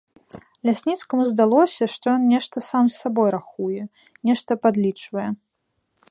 Лясніцкаму здалося, што ён нешта сам з сабой рахуе, нешта падлічвае.